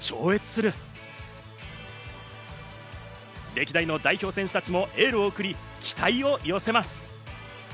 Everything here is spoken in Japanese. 歴代の代表選手たちもエールを送り、期待を寄せます。